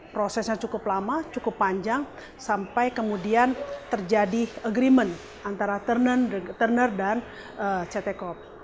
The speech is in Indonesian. prosesnya cukup lama cukup panjang sampai kemudian terjadi agreement antara turner dan ct corp